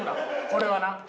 これはな。